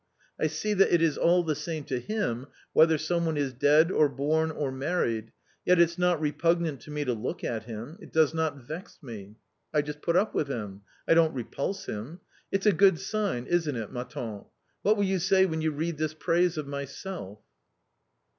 I see that it is all the same to him whether some one is dead or born or married, yet it's not repugnant to me to look at him ; it does not vex me. I put up with him, I don't repulse him It's a good sign, isn't it, ma tante? What will you say when you read this praise of myself?